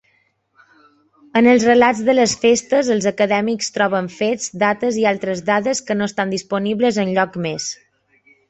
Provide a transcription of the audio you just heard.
En els relats de les festes, els acadèmics troben fets, dates i altres dades que no estan disponibles enlloc més.